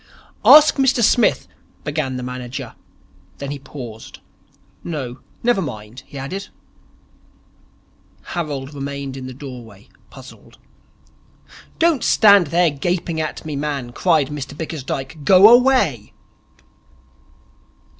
'Ask Mr Smith ' began the manager. Then he paused. 'No, never mind,' he added. Harold remained in the doorway, puzzled. 'Don't stand there gaping at me, man,' cried Mr Bickersdyke, 'Go away.'